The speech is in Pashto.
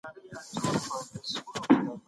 د روغتيايي خدمتونو کچه په کليو کي ورو ورو ښه کېده.